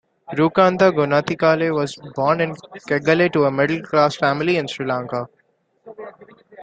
Rookantha Gunathilake was born in Kegalle to a middle-class family in Sri Lanka.